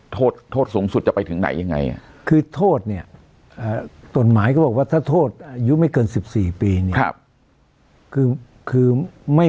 โทษโทษสูงสุดนิดหน่อยยังไงคือโทษเนี่ยตัวหมายเพราะว่าถ้าโทษอยู่ไม่เกิน๑๔ปีครับคือคือไม่